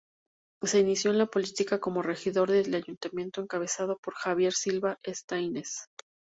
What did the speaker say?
Se inició en la política como regidor del ayuntamiento encabezado por Javier Silva Staines.